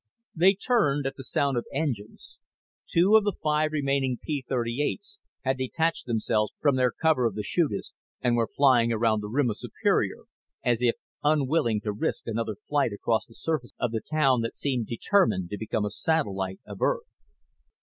They turned at the sound of engines. Two of the five remaining P 38's had detached themselves from their cover of the chutist and were flying around the rim of Superior as if unwilling to risk another flight across the surface of the town that seemed determined to become a satellite of Earth.